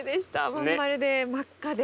真ん丸で真っ赤で。